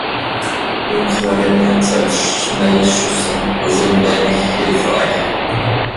Unkoordinierte Schnellschüsse sind wenig hilfreich.